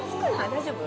大丈夫？